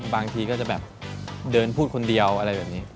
บางทีก็จะแบบเดินพูดคนเดียวอะไรแบบนี้